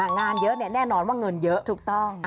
งานเยอะแน่นอนว่าเงินเยอะถูกต้อง